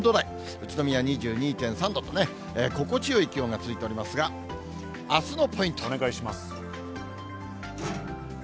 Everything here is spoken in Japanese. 宇都宮２２．３度とね、心地よい気温が続いておりますが、あすのポイント。